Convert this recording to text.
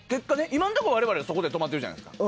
今のところ我々はそこで止まってるじゃないですか。